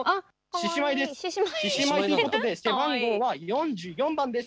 獅子舞ということで背番号は４４番です！